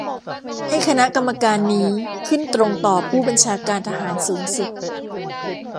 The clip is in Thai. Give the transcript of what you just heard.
ให้คณะกรรมการนี้ขึ้นตรงต่อผู้บัญชาการทหารสูงสุด